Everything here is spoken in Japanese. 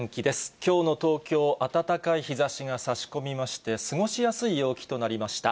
きょうの東京、暖かい日ざしがさし込みまして、過ごしやすい陽気となりました。